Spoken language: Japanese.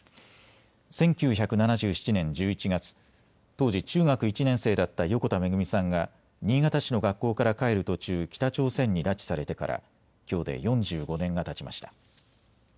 １９７７年１１月、当時中学１年生だった横田めぐみさんが新潟市の学校から帰る途中、北朝鮮に拉致されてからきょうで４５年がたちました。